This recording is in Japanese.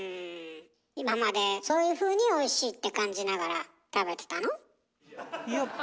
今までそういうふうにおいしいって感じながら食べてたの？